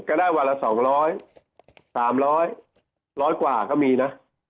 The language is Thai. ได้วันละ๒๐๐๓๐๐กว่าก็มีนะ